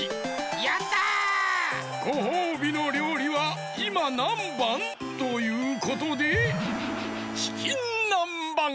やった！ごほうびのりょうりはいまなんばん？ということでチキンなんばん！